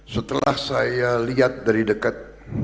setelah saya lihat dari dekat